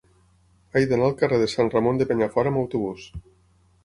He d'anar al carrer de Sant Ramon de Penyafort amb autobús.